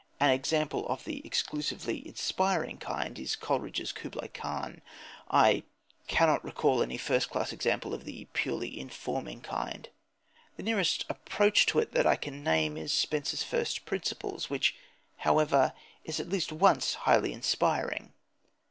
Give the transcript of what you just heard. An example of the exclusively inspiring kind is Coleridge's Kubla Khan. I cannot recall any first class example of the purely informing kind. The nearest approach to it that I can name is Spencer's First Principles, which, however, is at least once highly inspiring.